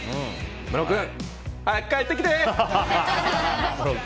ムロ君、早く帰ってきて！